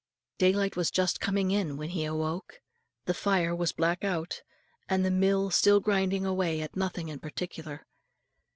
Daylight was just coming in when he awoke. The fire was black out, and the mill still grinding away at nothing in particular.